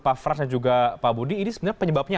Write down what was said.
pak frans dan juga pak budi ini sebenarnya penyebabnya